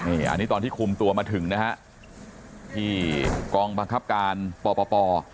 นี่อันนี้ตอนที่คุมตัวมาถึงนะฮะที่กองบังคับการปป